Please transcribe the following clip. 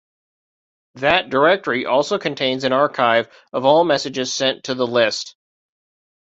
That directory also contains an archive of all messages sent to the list.